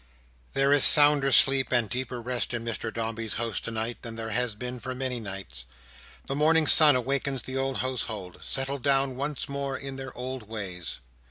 There is sounder sleep and deeper rest in Mr Dombey's house tonight, than there has been for many nights. The morning sun awakens the old household, settled down once more in their old ways.